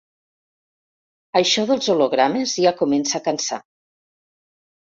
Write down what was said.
Això dels hologrames ja comença a cansar.